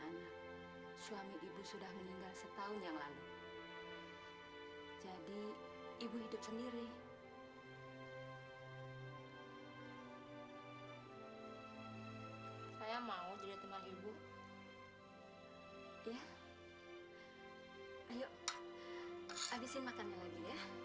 nanti salah langkah seperti si tati